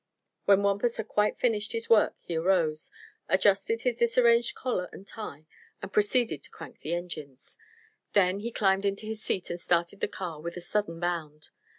When Wampus had quite finished his work he arose, adjusted his disarranged collar and tie and proceeded to crank the engines. Then he climbed into his seat and started the car with a sudden bound.